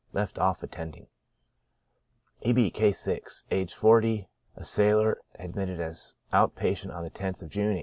Left oiF attending. E. B —, (Case 6,) aged 40, a sailor, admitted as out patient on the loth of June, 1858.